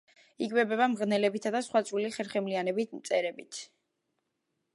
იკვებება მღრღნელებითა და სხვა წვრილი ხერხემლიანებით, მწერებით.